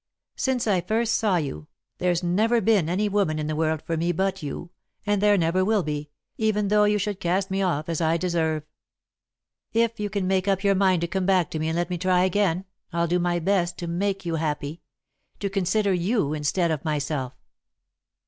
"Since I first saw you, there's never been any woman in the world for me but you, and there never will be, even though you should cast me off as I deserve. If you can make up your mind to come back to me and let me try again, I'll do my best to make you happy to consider you instead of myself.